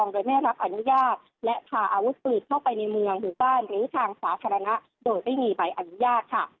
โดยไม่ได้รับอนุญาตและพาอาวุธปืนเข้าไปในเมืองหมู่บ้านหรือทางสาธารณะโดยไม่มีใบอนุญาตค่ะ